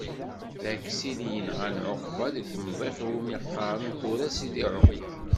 D Aksil i yenɣan Ɛuqba deg umḍiq iwmi qqaren tura Sidi-Ɛuqba.